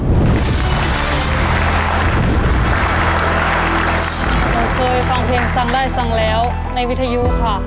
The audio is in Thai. หนูเคยฟังเพลงฟังได้ฟังแล้วในวิทยุค่ะ